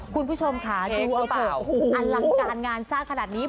คุณผู้ชมค่ะดูเอาเถอะอลังการงานสร้างขนาดนี้